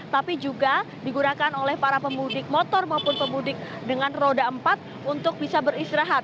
tapi juga digunakan oleh para pemudik motor maupun pemudik dengan roda empat untuk bisa beristirahat